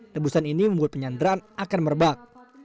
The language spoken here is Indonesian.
tebusan ini membuat penyanderaan akan merebak